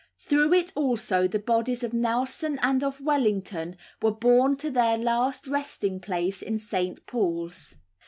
Through it also the bodies of Nelson and of Wellington were borne to their last resting place in St. Paul's.